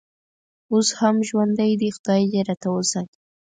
اوس هم ژوندی دی، خدای دې راته وساتي.